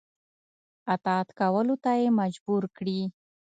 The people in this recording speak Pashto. اطاعت کولو ته یې مجبور کړي.